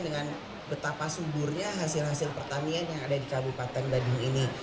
dengan betapa suburnya hasil hasil pertanian yang ada di kabupaten badung ini